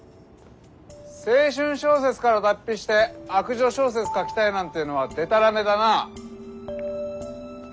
青春小説から脱皮して悪女小説書きたいなんていうのはでたらめだな。